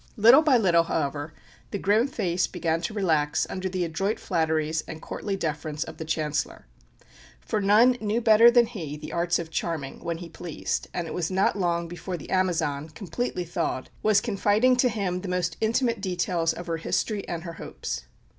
Little by little, however, the grim face began to relax under the adroit flatteries and courtly deference of the Chancellor for none knew better than he the arts of charming, when he pleased; and it was not long before the Amazon, completely thawed, was confiding to him the most intimate details of her history and her hopes.